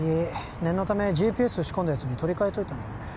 念のためＧＰＳ仕込んだやつに取り替えといたんだよね